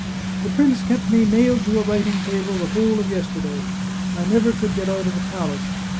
" The prince kept me nailed to a writing table the whole of yesterday; I never could get out of the palace.